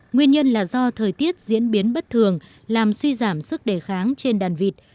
nguyên nhân là do thời tiết diễn biến bất thường làm suy giảm sức đề kháng trên đàn vịt